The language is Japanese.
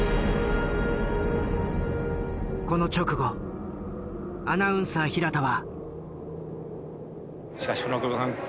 この直後アナウンサー平田は。